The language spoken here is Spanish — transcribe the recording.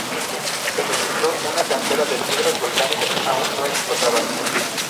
Se registró una cantera de piedras volcánicas aún no explotadas.